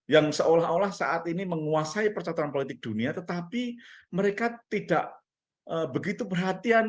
yang seolah olah saat ini menguasai percaturan politik dunia tetapi mereka tidak begitu perhatian